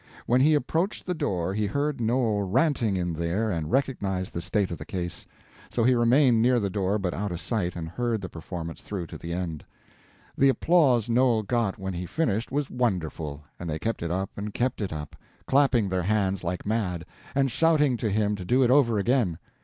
When he approached the door he heard Noel ranting in there and recognized the state of the case; so he remained near the door but out of sight, and heard the performance through to the end. The applause Noel got when he finished was wonderful; and they kept it up and kept it up, clapping their hands like mad, and shouting to him to do it over again.